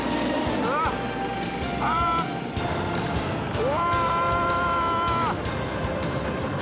うわ！